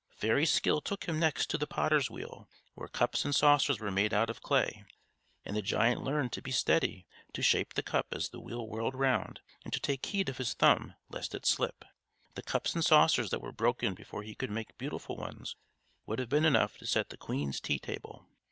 Fairy Skill took him next to the potter's wheel, where cups and saucers were made out of clay; and the giant learned to be steady, to shape the cup as the wheel whirled round, and to take heed of his thumb, lest it slip. The cups and saucers that were broken before he could make beautiful ones would have been enough to set the queen's tea table!